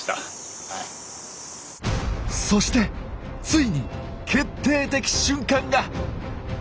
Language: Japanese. そしてついに決定的瞬間が！